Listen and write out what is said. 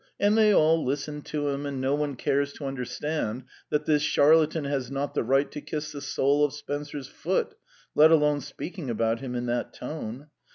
And they all listen to him, and no one cares to understand that this charlatan has not the right to kiss the sole of Spencer's foot, let alone speaking about him in that tone!